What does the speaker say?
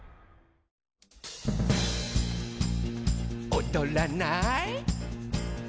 「おどらない？」